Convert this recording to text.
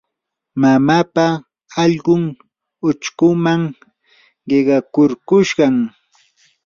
mamaapa allqun uchkuman qiqakurkushqam.